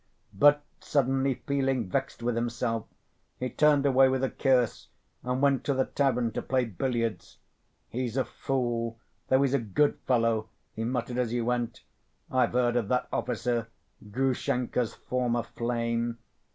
But, suddenly feeling vexed with himself, he turned away with a curse and went to the tavern to play billiards. "He's a fool, though he's a good fellow," he muttered as he went. "I've heard of that officer, Grushenka's former flame.